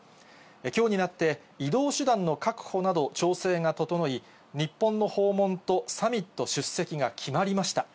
きょうになって、移動手段の確保など調整が整い、日本の訪問とサミット出席が決まりました。